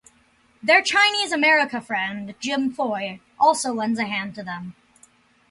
Their Chinese-America friend, Jim Foy also lends a hand to them.